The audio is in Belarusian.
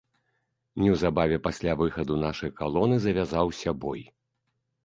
Неўзабаве пасля выхаду нашай калоны завязаўся бой.